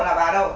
là bà đâu